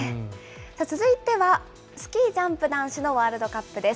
続いては、スキージャンプ男子のワールドカップです。